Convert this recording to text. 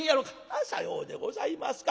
「あっさようでございますか。